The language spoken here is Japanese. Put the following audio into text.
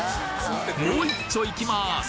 もういっちょいきます！